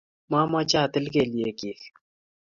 Mameche atil kelyek chich.